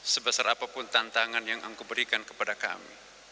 sebesar apapun tantangan yang engkau berikan kepada kami